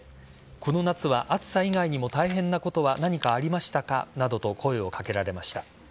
この夏は、暑さ以外にも大変なことは何かありましたかなどと声を掛けられました。